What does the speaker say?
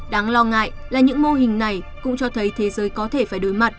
đáng lo ngại là những mô hình này cũng cho thấy thế giới có thể phải đối mặt